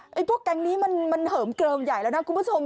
พวกแก๊งนี้มันเหิมเกลิมใหญ่แล้วนะคุณผู้ชม